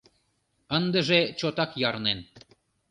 Ындыже чотак ярнен.